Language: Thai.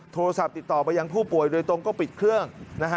โทรศัพท์ติดต่อไปยังผู้ป่วยโดยตรงก็ปิดเครื่องนะฮะ